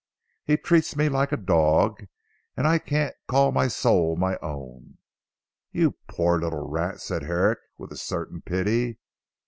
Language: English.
He treats me like a dog, and I can't call my soul my own." "You poor little rat!" said Herrick with a certain pity.